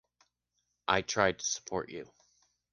I tried to support you.